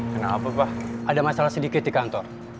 maaf pak ada masalah sedikit di kantor